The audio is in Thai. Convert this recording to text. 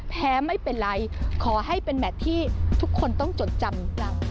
ไม่เป็นไรขอให้เป็นแมทที่ทุกคนต้องจดจำเรา